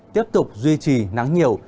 tiếp tục duy trì nắng nhiều